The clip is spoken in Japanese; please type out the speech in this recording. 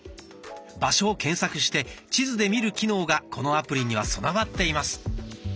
場所を検索して地図で見る機能がこのアプリには備わっています。